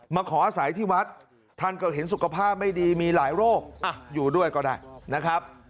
มาขออาศัยที่วัดท่านก็เห็นสุขภาพไม่ดีมีหลายโรคอยู่ด้วยก็ได้นะครับ